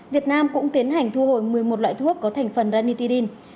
việt nam cũng tiến hành thu hồi một mươi một loại thuốc có thành phần ranitidine